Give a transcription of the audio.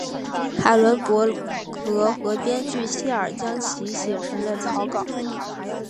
海伦伯格和编剧希尔将其写成了草稿。